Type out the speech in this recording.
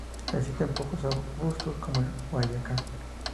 Existen pocos arbustos como el guayacán.